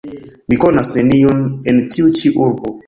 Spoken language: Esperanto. Mi konas neniun en tiu ĉi urbo.